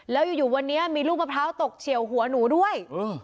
แล้วอยู่วันนี้มีลูกมะพร้าวตกเฉียวหัวหนูด้วย